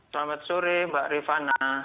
selamat sore mbak rifana